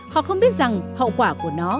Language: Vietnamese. họ không biết rằng hậu quả của nó là gì